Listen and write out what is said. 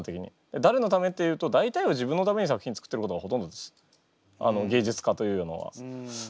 だれのためっていうと大体は自分のために作品作ってることがほとんどです。